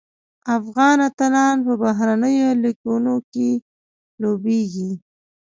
افغان اتلان په بهرنیو لیګونو کې لوبیږي.